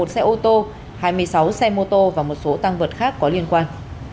một xe ô tô hai mươi sáu xe mô tô và một số tăng vật khác có liên quan